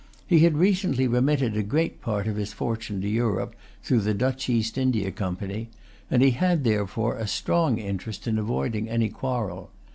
He had recently remitted a great part of his fortune to Europe, through the Dutch East India Company; and he had therefore a strong interest in avoiding any quarrel.